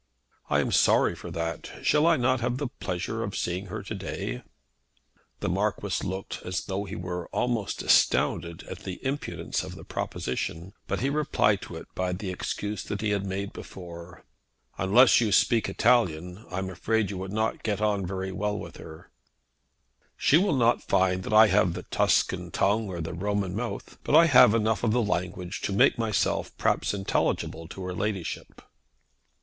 "I am sorry for that. Shall I not have the pleasure of seeing her to day?" The Marquis looked as though he were almost astounded at the impudence of the proposition; but he replied to it by the excuse that he had made before. "Unless you speak Italian I'm afraid you would not get on very well with her." "She will not find that I have the Tuscan tongue or the Roman mouth, but I have enough of the language to make myself perhaps intelligible to her ladyship."